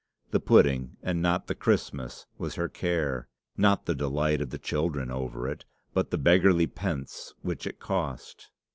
the pudding and not the Christmas was her care; not the delight of the children over it, but the beggarly pence which it cost.